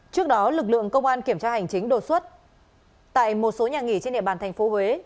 trước đó lực lượng công an kiểm tra hành chính đột xuất tại một số nhà nghỉ trên địa bàn tp huế